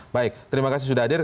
baik terima kasih sudah hadir